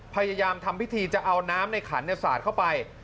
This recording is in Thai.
พยายามทำพิธีจะเอาน้ำในขันสาดเข้าไป